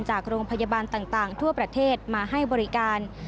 จากโรงพยาบาลต่างทั่วประเทศมาให้บริการ